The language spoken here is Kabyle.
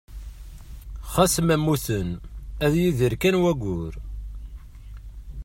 Ɣas ma mmuten, ad yidir kan wayyur.